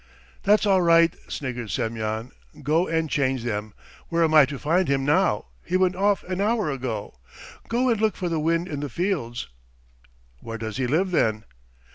"That's all right!" sniggered Semyon, "go and change them. ... Where am I to find him now? He went off an hour ago. ... Go and look for the wind in the fields!" "Where does he live then?"